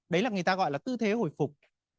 đấy là người ta gọi là tư thế hồi phục